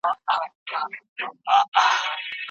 یا بیګانه وه لېوني خیالونه